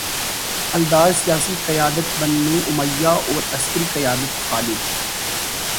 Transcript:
الدار، سیاسی قیادت بنو امیہ اور عسکری قیادت خالد